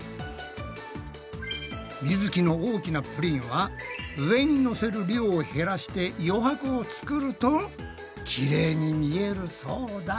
みづきの大きなプリンは上にのせる量を減らして余白を作るときれいに見えるそうだ。